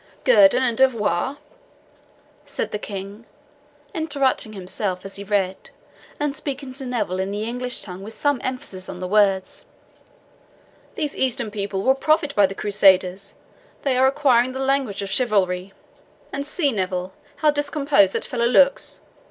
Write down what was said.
"GUERDON and DEVOIR!" said the King, interrupting himself as he read, and speaking to Neville in the English tongue with some emphasis on the words. "These Eastern people will profit by the Crusaders they are acquiring the language of chivalry! And see, Neville, how discomposed that fellow looks!